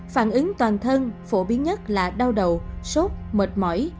phản ứng toàn thân phổ biến nhất là đau đầu sốt mệt mỏi